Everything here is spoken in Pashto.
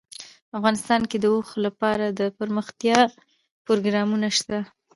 افغانستان کې د اوښ لپاره دپرمختیا پروګرامونه شته.